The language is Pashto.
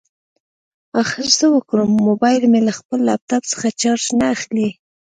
اخر څه وکړم؟ مبایل مې له خپل لاپټاپ څخه چارج نه اخلي